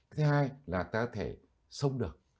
thứ hai là ta có thể sống được